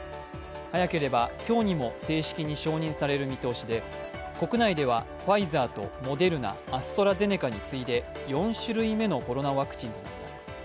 早ければ今日にも正式に承認される見通しで国内ではファイザーとモデルナアストラゼネカに次いで４種類目のコロナワクチンになります。